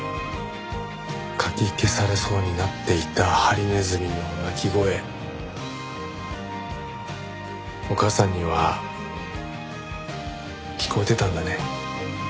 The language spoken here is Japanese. かき消されそうになっていたハリネズミの鳴き声お母さんには聞こえてたんだね。